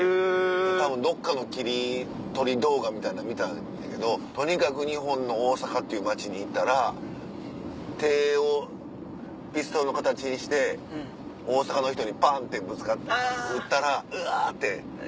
たぶんどっかの切り取り動画みたいな見たんやけどとにかく日本の大阪っていう街に行ったら手をピストルの形にして大阪の人にパンって撃ったらうわって。